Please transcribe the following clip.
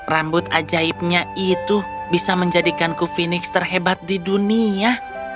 rambut ajaibnya itu bisa menjadikanku fenix terhebat di dunia